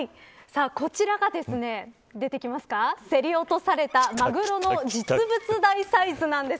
こちらが、出てきますか競り落とされたマグロの実物大サイズなんです。